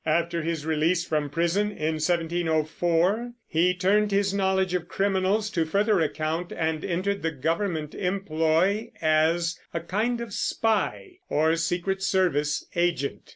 After his release from prison, in 1704, he turned his knowledge of criminals to further account, and entered the government employ as a kind of spy or secret service agent.